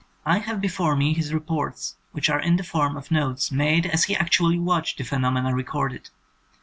I have before me his reports, which are in the form of notes made as he actually watched the phenomena re corded.